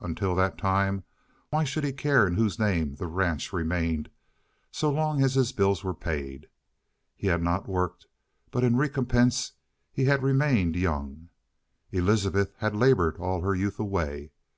Until that time, why should he care in whose name the ranch remained so long as his bills were paid? He had not worked, but in recompense he had remained young. Elizabeth had labored all her youth away.